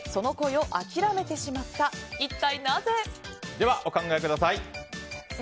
では、お考えください。